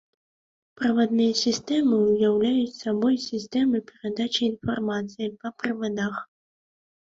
Правадныя сістэмы ўяўляюць сабой сістэмы перадачы інфармацыі па правадах.